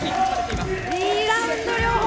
いいラウンド両方。